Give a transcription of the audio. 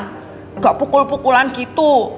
kamu ga pukul pukulan gitu